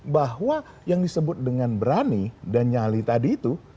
bahwa yang disebut dengan berani dan nyali tadi itu